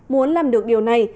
muốn làm được điều này